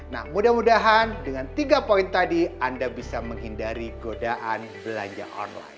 nah mudah mudahan dengan tiga poin tadi anda bisa menghindari godaan belanja online